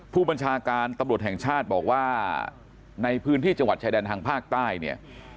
ผู้บัญชาการตำรวจแห่งชาติบอกว่าในพื้นที่จังหวัดชายแดนทางภาคใต้เนี่ย